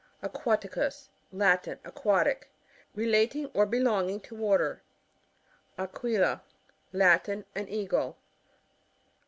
Aquaticos. — Latin. Aquatic. Rela ting or belonging to water. Aquila. — Latm. An Eagle.